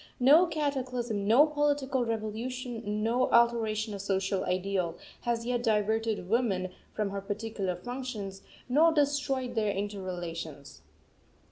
No cataclysm, no political revolution, no alteration of social ideal, has yet diverted woman from her particular functions, nor destroyed their inter relations.